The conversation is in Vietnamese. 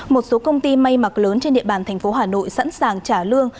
một số công ty may mặc lớn trên địa bàn thành phố hà nội sẵn sàng trả lương